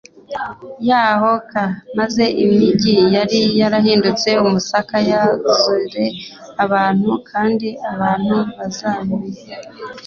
yaho k maze imigi yari yarahindutse umusaka yuzure abantu l kandi abantu bazamenya